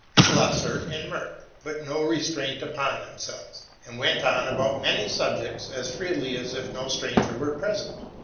Schlosser and Merck put no restraint upon them selves, and went on about many subjects as freely as if no stranger were present.